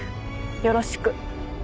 よろしく。